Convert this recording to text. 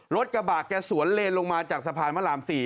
รถกระบะแกสวนเลนลงมาจากสะพานพระราม๔